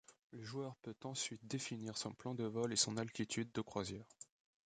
Le joueur peut ensuite définir son plan de vol et son altitude de croisière.